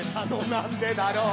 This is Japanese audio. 何でだろう